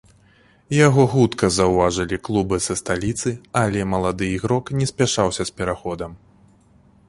Яго хутка заўважылі клубы са сталіцы, але малады ігрок не спяшаўся з пераходам.